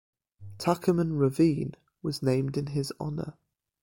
Tuckerman Ravine was named in his honor.